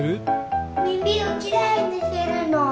みみをきれいにするの。